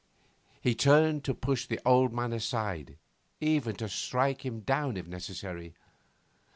He turned to push the old man aside, even to strike him down if necessary.